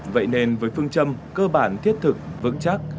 vậy nên với phương châm cơ bản thiết thực vững chắc